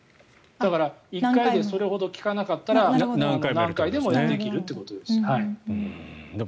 だから１回でそれほど効かなかったら何回でもできるということです。